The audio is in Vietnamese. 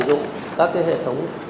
sử dụng các hệ thống